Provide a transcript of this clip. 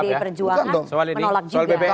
bd perjuangan menolak juga